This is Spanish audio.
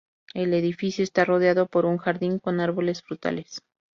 El edificio está rodeado por un jardín con árboles frutales.